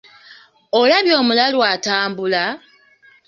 Olabye omulalu atambula?